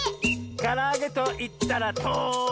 「からあげといったらとり！」